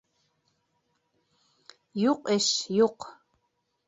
Юҡ эш, юҡ.